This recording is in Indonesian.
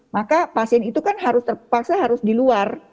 maka pasien itu kan harus terpaksa harus di luar